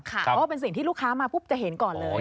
เพราะว่าเป็นสิ่งที่ลูกค้ามาปุ๊บจะเห็นก่อนเลย